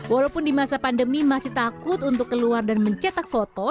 walaupun di masa pandemi masih takut untuk keluar dan mencetak foto